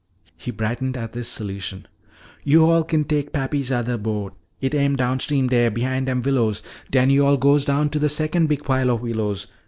He brightened at this solution. "Yo'all kin take pappy's othah boat; it am downstream dere, behin' dem willows. Den yo'all goes down to de secon' big pile o' willows.